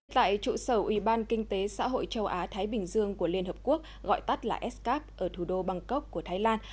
tại trụ sở ủy ban kinh tế xã hội châu á thái bình dương của liên hợp quốc gọi tắt là s cap ở thủ đô bangkok của thái lan